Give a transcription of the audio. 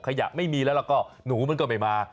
ขยะไม่มีแล้วก็หนูมันก็ไม่มา